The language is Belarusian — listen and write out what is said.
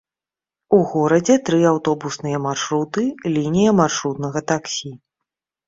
У горадзе тры аўтобусныя маршруты, лінія маршрутнага таксі.